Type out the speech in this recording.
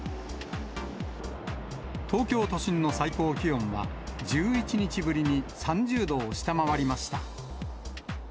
東京都心の最高気温は、１１日ぶりに３０度を下回りました。